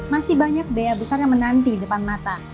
masih banyak daya besar yang menanti di depan mata